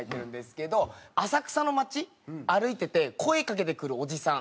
「浅草の町歩いてて声かけてくるおじさん